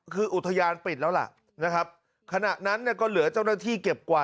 คืออุทยานปิดแล้วล่ะนะครับขณะนั้นเนี่ยก็เหลือเจ้าหน้าที่เก็บกว่า